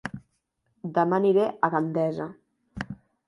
Dema aniré a Gandesa